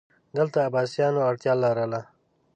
دلته عباسیانو اړتیا لرله